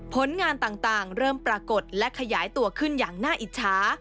ผลงานต่างเริ่มปรากฏและขยายตัวขึ้นอย่างน่าอิจฉา